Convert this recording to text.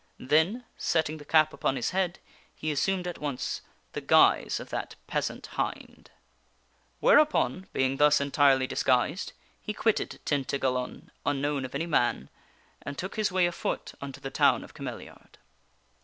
Then, setting the cup upon his head, he assumed at once the guise of that peasant hind. Whereupon, being thus entirely disguised, he quitted Tin King Arthur tagalon unknown of any man, and took his way a foot unto ^disgui^? " the town of Cameliard.